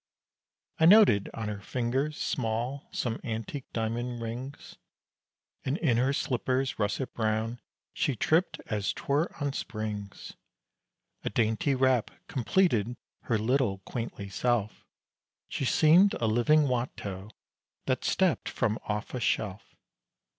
I noted on her fingers small, some antique diamond rings, And in her slippers russet brown, she tripped as 'twere on springs, A dainty wrap, completed her little quaintly self, She seemed a living Watteau, that stepped from off a shelf.